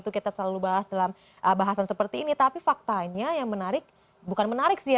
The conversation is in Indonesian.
kita selalu bahas dalam bahasan seperti ini tapi faktanya yang menarik bukan menarik sih ya